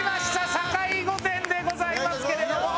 「酒井御殿！！」でございますけれども。